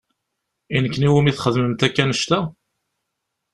I nekni i wumi txedmemt akk annect-a?